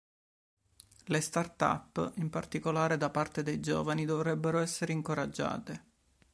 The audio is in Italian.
Le start-up, in particolare da parte dei giovani, dovrebbero essere incoraggiate.